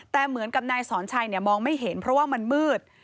แต่เหมือนกับนายสอนชัยมองไม่เห็นเพราะว่ามันมืด